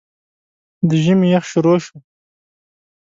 د ژمي يخ شورو شو